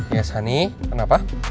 ya sani kenapa